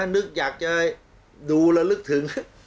นึกอยากจะดูระลึกถึง